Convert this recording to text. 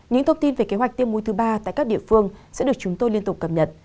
những thông tin về kế hoạch tiêm mũi thứ ba tại các địa phương sẽ được chúng tôi liên tục cập nhật